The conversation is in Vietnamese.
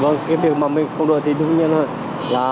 vâng cái việc mà mình không đội thì đúng như là